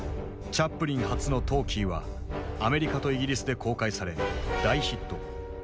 チャップリン初のトーキーはアメリカとイギリスで公開され大ヒット。